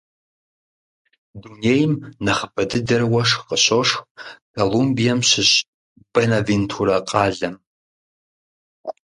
Дунейм нэхъыбэ дыдэрэ уэшх къыщошх Колумбием щыщ Бэнавентурэ къалэм.